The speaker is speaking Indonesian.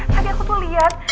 tadi aku tuh liat